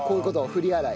振り洗い。